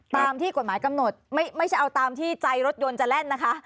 ตามที่กฎหมายกำหนดไม่ใช่เอาตามที่ใจรถยนต์จะแล่นนะคะ